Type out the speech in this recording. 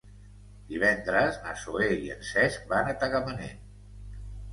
Divendres na Zoè i en Cesc van a Tagamanent.